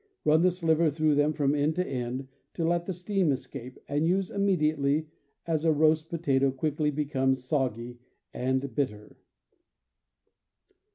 Run the sliver through them from end to end, to let the steam escape, and use immediately, as a roast potato quickly becomes soggy and bitter."